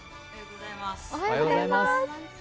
おはようございます。